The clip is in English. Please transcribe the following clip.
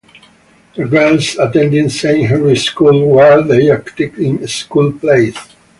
The girls attended Saint Henry's School, where they acted in school plays.